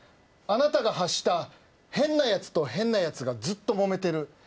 あなたが発した「変なやつと変なやつがずっともめてる」